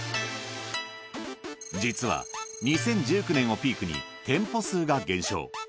実は２０１９年をピークに店舗数が減少。